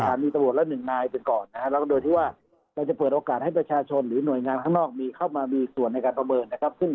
มีตำรวจละหนึ่งนายไปก่อนนะฮะแล้วก็โดยที่ว่าเราจะเปิดโอกาสให้ประชาชนหรือหน่วยงานข้างนอกมีเข้ามามีส่วนในการประเมินนะครับ